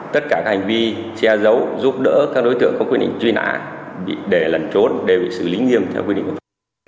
tất cả các hành vi che giấu giúp đỡ các đối tượng có quyết định truy nã để lẩn trốn để bị xử lý nghiêm theo quyết định pháp luật